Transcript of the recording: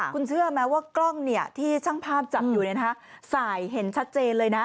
คุณเชื่อไหมว่ากล้องที่ช่างภาพจับอยู่สายเห็นชัดเจนเลยนะ